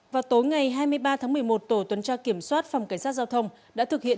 vào tối ngày hai mươi ba tháng một mươi một tổ tuần tra kiểm soát phòng cảnh sát giao thông đã thực hiện